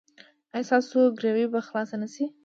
ایا ستاسو ګروي به خلاصه نه شي؟